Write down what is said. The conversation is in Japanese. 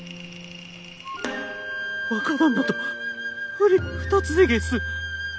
若旦那とうり二つでげす。